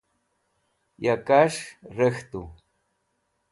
ya kas̃h rek̃htu